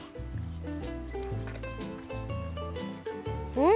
うん！